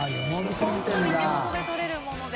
本当に地元で取れるもので。